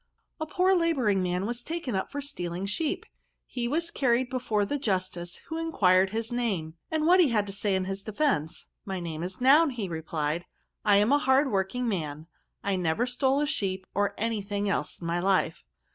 A POOR labouring man was taken up for steaKng sheep. He was carried before the justice^ who enquired his name, and what he had to say in his defence. * My name is Noun/ replied he, ' I am a hard working man, and never stole a sheep or any thing else in my life.'